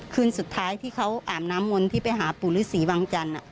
คืนสุดท้ายที่เขาอาบน้ำมนต์ที่ไปหาปู่ฤษีวังจันทร์